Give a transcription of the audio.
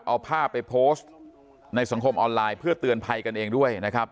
เอาภาพไปโพสต์ในสังคมออนไลน์เพื่อเตือนภัยกันเองด้วยนะครับ